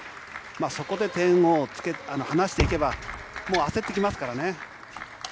そこで点を離していけば、もう焦ってきますからね。